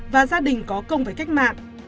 và gia đình có công với cách mạng